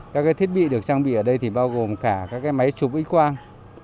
các thiết bị được trang bị ở đây thì bao gồm cả các máy chụp x quang